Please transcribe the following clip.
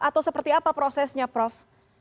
atau seperti apa prosesnya prof